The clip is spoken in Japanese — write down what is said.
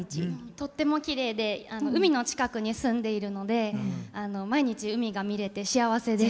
とってもきれいで海の近くに住んでいるので毎日、海が見れて幸せです。